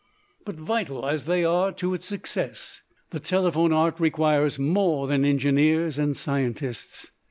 But, vital as they are to its success, the, telephone art requires more than engineers and scientists.